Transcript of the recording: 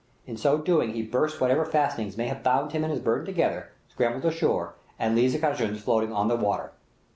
In so doing he bursts whatever fastenings may have bound him and his burden together, scrambles ashore, and leaves the kajavehs floating on the water!